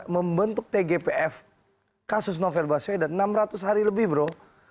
membentuk tgpf kasus novel baswedan enam ratus hari lebih bro